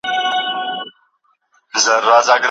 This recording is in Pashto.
ده د وطنپالنې موضوعات وليکل